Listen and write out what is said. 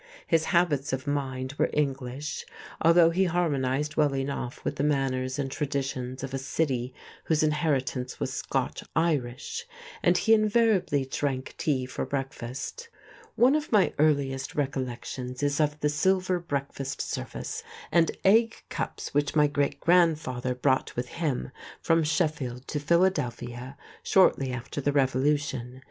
His habits of mind were English, although he harmonized well enough with the manners and traditions of a city whose inheritance was Scotch Irish; and he invariably drank tea for breakfast. One of my earliest recollections is of the silver breakfast service and egg cups which my great grandfather brought with him from Sheffield to Philadelphia shortly after the Revolution.